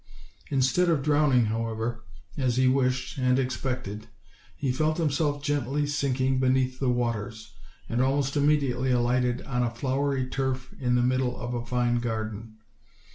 Instead of drowning, however, as he wished and expected, he felt himself gently sinking beneath the waters, and al most immediately alighted on a flowery turf in the mid dle of a fine garden.